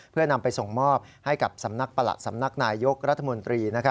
เพื่อนำไปส่งมอบให้กับสำนักประหลัดสำนักนายยกรัฐมนตรี